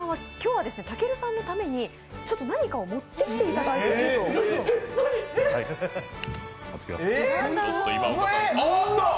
今岡さんは今日はたけるさんのために何かを持ってきていただいていると。